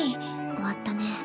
終わったね。